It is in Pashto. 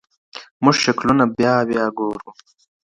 موږ شکلونه بيا – بيا ګورو.